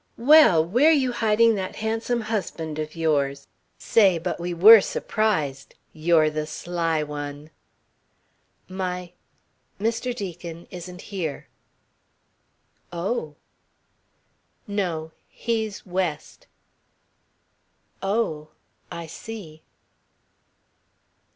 Well, where you hiding that handsome husband of yours? Say, but we were surprised! You're the sly one " "My Mr. Deacon isn't here." "Oh." "No. He's West." "Oh, I see."